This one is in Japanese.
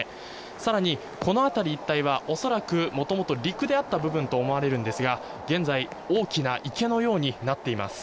更に、この辺り一帯は恐らく元々、陸であった部分と思われるんですが現在大きな池のようになっています。